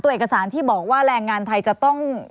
เอกสารที่บอกว่าแรงงานไทยจะต้อง